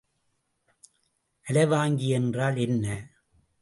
அலைவாங்கி என்றால் என்ன?